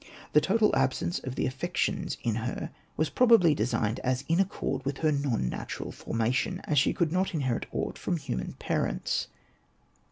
The total absence of the affections in her was probably designed as in accord with her non natural formation, as she could not inherit aught from human parents.